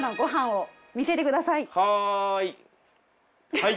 はい。